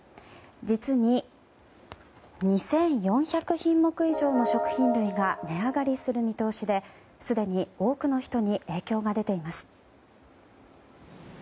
実に２４００品目以上の食品類が値上げする見通しですでに多くの人に影響が出ています。